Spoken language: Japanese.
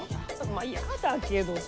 まあ嫌だけどさ。